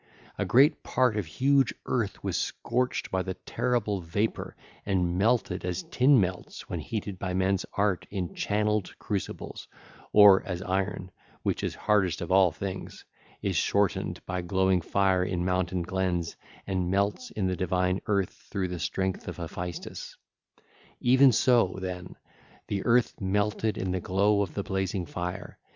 A great part of huge earth was scorched by the terrible vapour and melted as tin melts when heated by men's art in channelled 1627 crucibles; or as iron, which is hardest of all things, is softened by glowing fire in mountain glens and melts in the divine earth through the strength of Hephaestus 1628. Even so, then, the earth melted in the glow of the blazing fire.